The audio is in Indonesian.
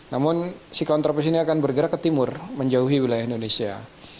namun siklon tropis ini akan bergerak ke timur menjauhi wilayah indonesia